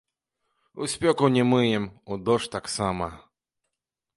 У спёку не мыем, у дождж таксама.